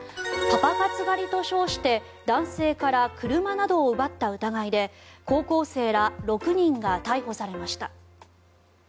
パパ活狩りと称して男性から車などを奪った疑いで高校生ら６人が逮捕されました。